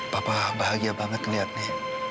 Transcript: papa bahagia banget ngeliatnya